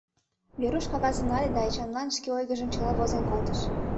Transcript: Веруш кагазым нале да Эчанлан шке ойгыжым чыла возен колтыш.